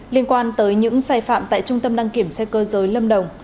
liên quan tới những sai phạm tại trung tâm đăng kiểm xe cơ giới lâm đồng